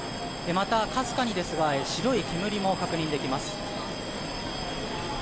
また、かすかにですが白い煙も確認できます。